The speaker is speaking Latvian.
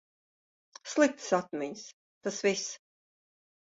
Sliktas atmiņas, tas viss.